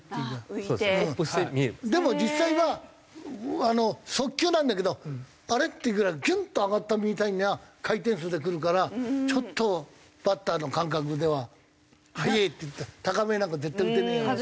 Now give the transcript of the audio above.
でも実際は速球なんだけどあれ？っていうぐらいギュンと上がったみたいな回転数でくるからちょっとバッターの感覚では速えっていって高めなんか絶対打てねえような。